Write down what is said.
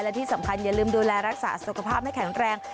และที่สำคัญอย่าลืมดูแลรักษาสุขภาพให้แข็งแรง